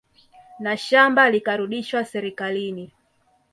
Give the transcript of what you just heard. Na shamba likarudishwa serikalini